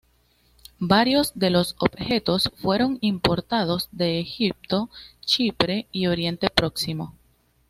Varios de los objetos fueron importados de Egipto, Chipre y Oriente Próximo.